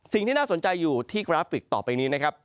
สิ่งที่น่าสนใจอยู่ที่กราฟิกต่อไปนี้นะครับ